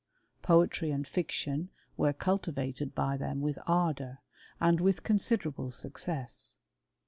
Poetey and fid were cultivated by them with ardour, and with coi derable success.